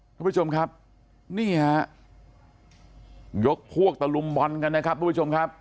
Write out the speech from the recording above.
ทุกผู้ชมครับนี่ฮะยกพวกตะลุมบอลกันนะครับทุกผู้ชมครับ